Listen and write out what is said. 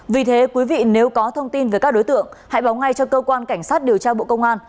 vì thế quý vị nếu có thông tin về các đối tượng hãy báo ngay cho cơ quan cảnh sát điều tra bộ công an